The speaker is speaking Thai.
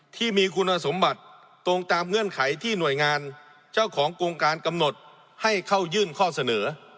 ที่มีคุณสมบัติตรงตามเงื่อนไขที่หน่วยงานเจ้าของโครงการกำหนดให้เข้ายื่นข้อเสนอ